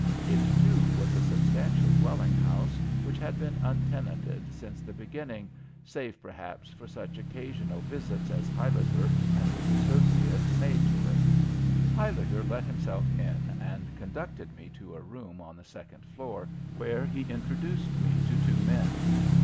It, too, was a substantial dwelling house which had been untenanted since the beginning, save perhaps for such occasional visits as Huyliger and his associates made to it. Huyliger let himself in and conducted me to a room on the second floor, where he introduced me to two men.